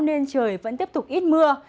nên trời vẫn tiếp tục ít mưa